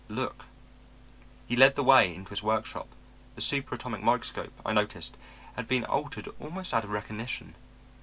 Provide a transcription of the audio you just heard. "'Look.' "He led the way into his workshop. The super atomic microscope, I noticed, had been altered almost out of recognition.